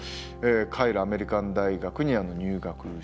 カイロ・アメリカン大学に入学しました。